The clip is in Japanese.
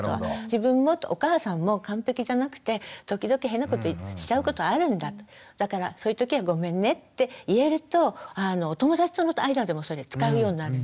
自分もお母さんも完璧じゃなくて時々変なことしちゃうことあるんだだからそういうときはごめんねって言えるとお友達との間でもそれ使うようになるんですよ。